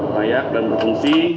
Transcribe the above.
layak dan berfungsi